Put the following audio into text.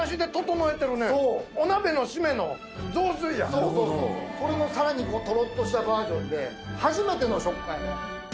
そうそうそれのさらにトロっとしたバージョンで初めての食感やね。